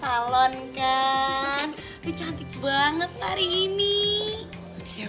tuh teh organ ternyata gini memang takut sih